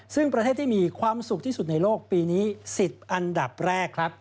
ซึ่งประเทศที่มีความสุขที่สุดในโลกปีนี้๑๐อันดับแรกครับ